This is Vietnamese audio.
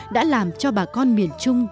đã làm cho bà con miền trung